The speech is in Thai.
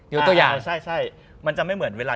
อยู่ตัวอย่างใช่มันจะไม่เหมือนเวลา